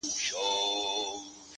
ياد مي دي تا چي شنه سهار كي ويل~